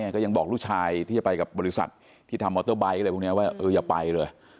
ก็ยังบอกลูกชายที่จะไปกับบริษัทที่ทำมอเตอร์ไบท์อะไรพวกนี้ว่าอย่าไปเลย